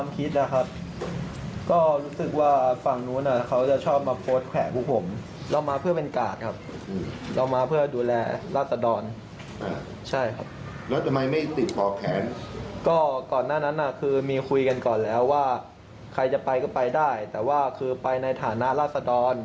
ก่อนแล้วว่าใครจะไปก็ไปได้แต่ว่าคือไปในฐานะรัศดร